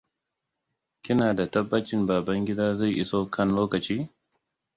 Kina da tabbacin Babangida zai iso kan lokaci?